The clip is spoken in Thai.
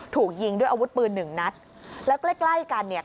ถูกยิงด้วยอาวุธปืนหนึ่งนัดแล้วใกล้ใกล้กันเนี่ย